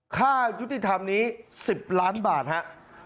ค่ายุติธรรมนี้๑๐ล้านบาทครับ